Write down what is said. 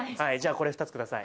これ２つください